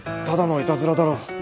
ただのいたずらだろ」